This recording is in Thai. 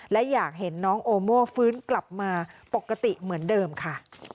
และอยากเห็นน้องโอโม่ฟื้นกลับมาปกติเหมือนเดิมค่ะ